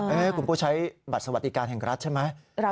เออคุณผู้ใช้บัตรสวัสดิการแห่งรัฐใช่ไหม